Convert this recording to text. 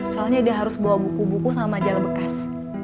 soalnya dia harus bawa buku buku sama majalah bekas